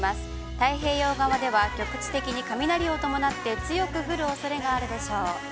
太平洋側では局地的に雷を伴って強く降るおそれがあるでしょう。